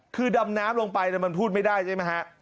คือดำน้ำลงไปมันพูดไม่ได้ใช่ไหมฮะ